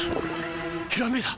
ひらめいた！